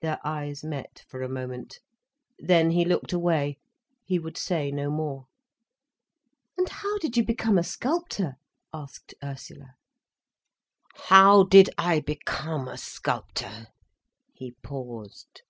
Their eyes met for a moment. Then he looked away. He would say no more. "And how did you become a sculptor?" asked Ursula. "How did I become a sculptor—" he paused.